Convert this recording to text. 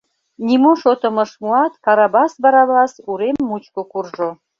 Нимо шотым ыш муат, Карабас Барабас урем мучко куржо.